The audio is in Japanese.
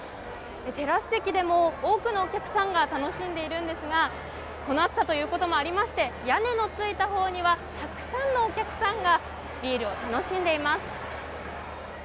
テラス席でも多くのお客さんが楽しんでいるんですがこの暑さということもありまして屋根のついたほうにはたくさんのお客さんがビールを楽しんでいます。